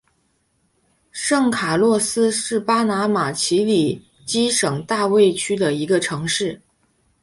圣卡洛斯是巴拿马奇里基省大卫区的一个城市。